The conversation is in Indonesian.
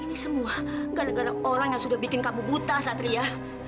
ini semua gara gara orang yang sudah bikin kamu buta satria